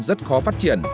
rất khó phát triển